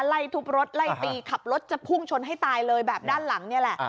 ไล่ทุบรถไล่ตีขับรถจะพุ่งชนให้ตายเลยแบบด้านหลังนี่แหละ